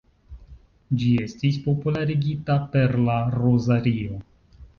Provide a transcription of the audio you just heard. Ĝi estis popularigita per la rozario.